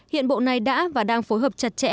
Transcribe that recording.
hiện bộ này đã và đang phối hợp chặt chẽ